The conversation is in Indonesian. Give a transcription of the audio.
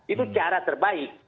itu cara terbaik